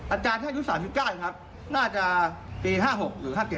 อาจารย์ท่านอายุ๓๙ครับน่าจะปี๕๖หรือ๕๗